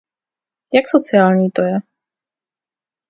Jak sociální to je?